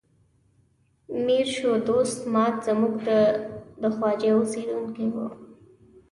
میر شو دوست ماد زموږ د ده خواجې اوسیدونکی و.